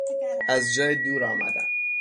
از جای دور آمدن